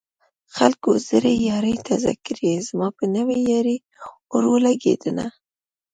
خلکو زړې يارۍ تازه کړې زما په نوې يارۍ اور ولګېدنه